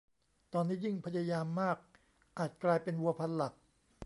ตอนนี้ยิ่งพยายามมากอาจกลายเป็นวัวพันหลัก